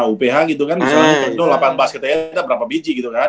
uph gitu kan misalnya itu delapan bus kita ada berapa biji gitu kan